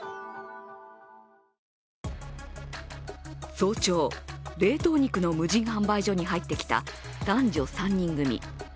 早朝、冷凍肉の無人販売所に入ってきた男女３人組。